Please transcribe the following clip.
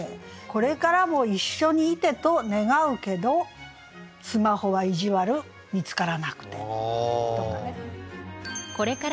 「これからも一緒に居てと願うけどスマホは意地悪見つからなくて」とかね。